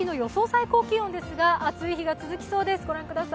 最高気温ですが、暑い日が続きそうです。